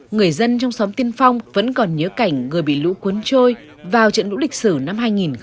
người dân trong xóm tiên phong vẫn còn nhớ cảnh người bị lũ cuốn trôi vào trận lũ lịch sử năm hai nghìn một mươi